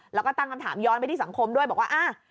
แล้วก็ตั้งคำถามย้อนไปที่สังคมด้วยบอกว่า